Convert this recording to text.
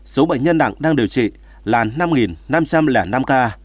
số bệnh nhân nặng đang điều trị là năm năm trăm linh năm ca